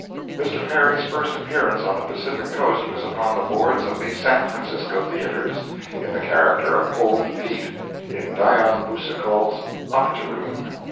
Mr. Perry's first appearance on the Pacific Coast was upon the boards of the San Francisco theaters in the character of "Old Pete" in Dion Boucicault's "Octoroon."